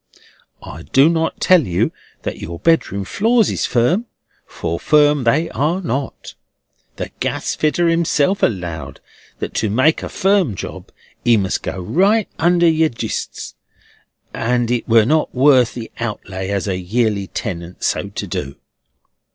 I do not tell you that your bedroom floors is firm, for firm they are not. The gas fitter himself allowed, that to make a firm job, he must go right under your jistes, and it were not worth the outlay as a yearly tenant so to do.